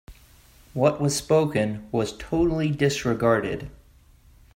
What was spoken was totally disregarded.